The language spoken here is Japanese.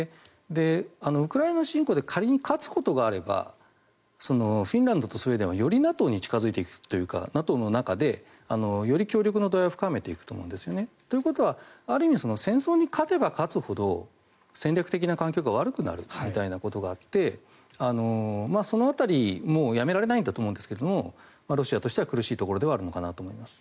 ウクライナ侵攻で仮に勝つことがあればフィンランドとスウェーデンはよりＮＡＴＯに近付いていくというかＮＡＴＯの中でより協力の度合いを深めていくと思うんですよね。ということはある意味、戦争に勝てば勝つほど戦略的な環境が悪くなるみたいなことがあってその辺り、もうやめられないんだと思いますがロシアとしては苦しいところではあるのかなと思います。